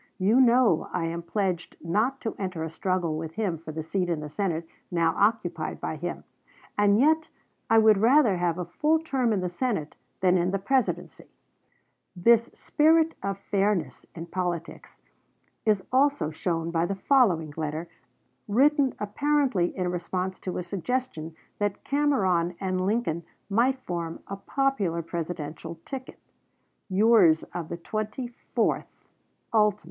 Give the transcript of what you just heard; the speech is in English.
You know I am pledged not to enter a struggle with him for the seat in the Senate now occupied by him; and yet I would rather have a full term in the Senate than in the Presidency." Lincoln to Frazer, Nov. 1, 1859. MS. This spirit of fairness in politics is also shown by the following letter, written apparently in response to a suggestion that Cameron and Lincoln might form a popular Presidential tickets "Yours of the 24th ult.